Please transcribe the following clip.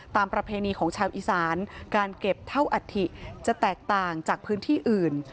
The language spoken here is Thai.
ประเพณีของชาวอีสานการเก็บเท่าอัฐิจะแตกต่างจากพื้นที่อื่น